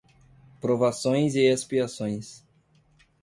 Provações e expiações